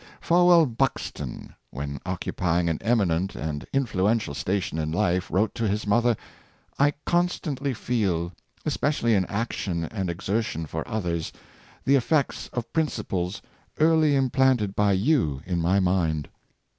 Fowell Buxton, when occupying an eminent and influential sta tion in life, wrote to his mother, *' I constantly feel especially in action and exertion for others, the effects of principles early implanted by you in my mind.'